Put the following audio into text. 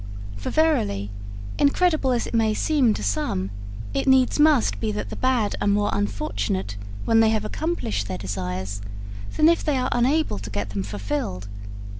For verily, incredible as it may seem to some, it needs must be that the bad are more unfortunate when they have accomplished their desires than if they are unable to get them fulfilled.